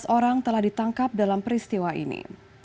dua belas orang telah ditangkap dalam peristiwa ini